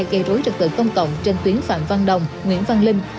gây rối trật tự công cộng trên tuyến phạm văn đồng nguyễn văn linh